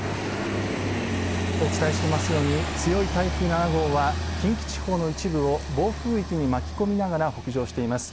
お伝えしていますように強い台風７号は近畿地方の一部を暴風域に巻き込みながら北上しています。